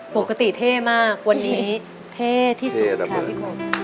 เท่มากวันนี้เท่ที่สุดค่ะพี่คม